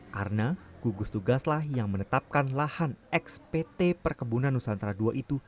karena gugus tugaslah yang menetapkan lahan xpt perkebunan nusantara ii itu